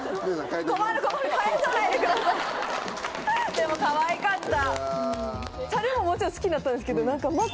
でもかわいかった。